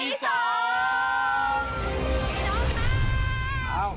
พี่น้องคะ